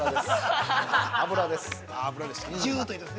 ◆油です。